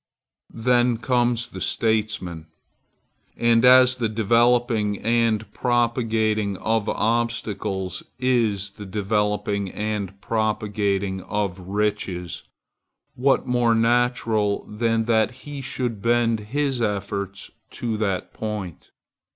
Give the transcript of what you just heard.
Then comes the statesman; and as the developing and propagating of obstacles is the developing and propagating of riches, what more natural than that he should bend his efforts to that point?